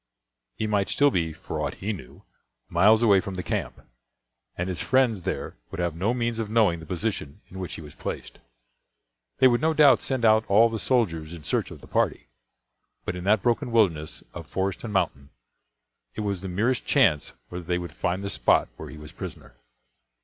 He might still be, for aught he knew, miles away from the camp, and his friends there would have no means of knowing the position in which he was placed. They would no doubt send out all the soldiers in search of the party; but in that broken wilderness of forest and mountain, it was the merest chance whether they would find the spot where he was prisoner.